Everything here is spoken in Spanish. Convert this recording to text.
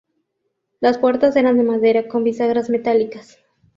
Las puertas eran de madera con bisagras metálicas.